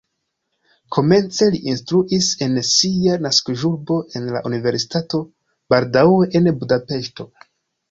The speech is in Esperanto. Komence li instruis en sia naskiĝurbo en la universitato, baldaŭe en Budapeŝto.